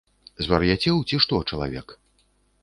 Звар'яцеў ці што чалавек?